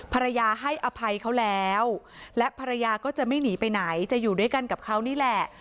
ภรรยาให้อภัยเขาแล้วและภรรยาก็จะไม่หนีไปไหนจะอยู่ด้วยกันกับเขานี่แหละ